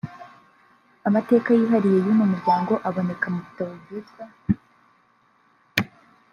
Amateka yihariye y’uno muryango aboneka mu bitabo byitwa